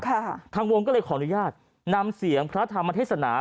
ทางวงก็เลยขออนุญาตนำเสียงพระธรรมเทศนา